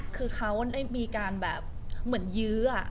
คือเขาได้มีการแบบเหมือนยื้อ